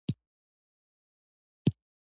د مزار د ښار وضعیت به هم وګورې.